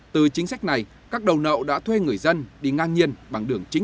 từ chính sách này các đầu nậu đã thuê người dân đi ngang nhiên